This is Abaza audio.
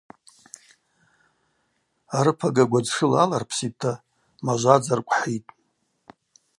Арыпага гвадз шыла аларпситӏта мажвадза ркӏвхӏитӏ.